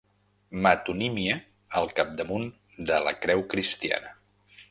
Metonímia al capdamunt de la creu cristiana.